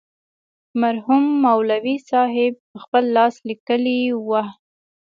مرحوم مولوي صاحب پخپل لاس لیکلې وه.